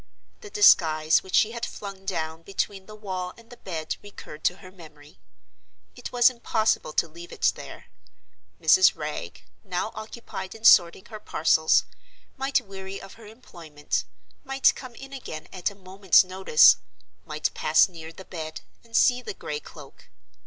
The disguise which she had flung down between the wall and the bed recurred to her memory. It was impossible to leave it there. Mrs. Wragge (now occupied in sorting her parcels) might weary of her employment, might come in again at a moment's notice, might pass near the bed, and see the gray cloak.